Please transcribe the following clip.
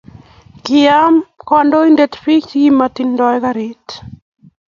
kiyum kandoik pik che kimatindo karik